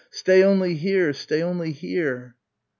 "Stay only here! Stay only here!"